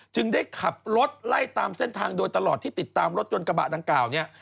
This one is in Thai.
ได้ขับรถไล่ตามเส้นทางโดยตลอดที่ติดตามรถยนต์กระบะดังกล่าวเนี่ย